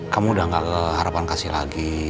kamu udah nggak ke harapan kasih lagi